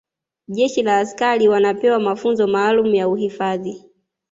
jeshi la askari wanapewa mafunzo maalumu ya uhifadhi